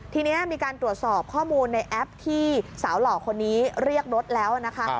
ทีนี้มีการตรวจสอบข้อมูลในแอปที่สาวหล่อคนนี้เรียกรถแล้วนะคะ